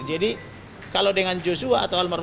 jadi kalau dengan joshua atau almarhum